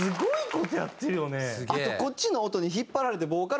あとこっちの音に引っ張られてボーカルも。